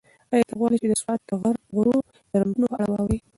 ایا ته غواړې چې د سوات د غرو د رنګونو په اړه واورې؟